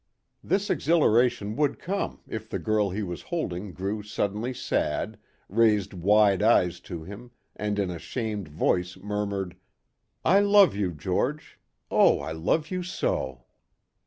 This exhilaration would come if the girl he was holding grew suddenly sad, raised wide eyes to him and in a shamed voice murmured, "I love you, George. Oh, I love you so."